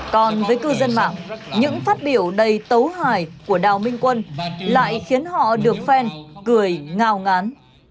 còn với cư dân mạng những phát biểu đầy tấu hài của đào minh quân lại khiến họ được phen cười ngào ngán